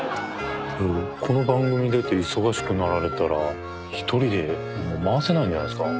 この番組出て忙しくなられたら１人でもう回せないんじゃないですか？